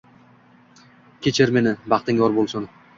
Kechir meni. Baxting yor bo‘lsin...